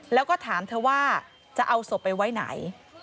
แล้วก็ถามเธอว่าจะเอาศพไปไว้ไหน